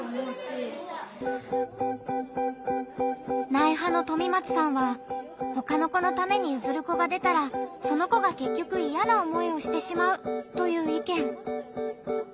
「ない派」のとみまつさんはほかの子のためにゆずる子が出たらその子がけっきょくイヤな思いをしてしまうという意見。